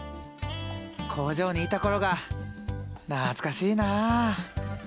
工場にいた頃が懐かしいな。